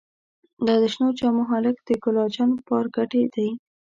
دا د شنو جامو هلک د ګلا جان پارکټې دې.